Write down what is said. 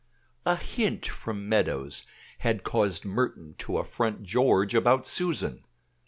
A hint from Meadows had caused Merton to affront George about Susan.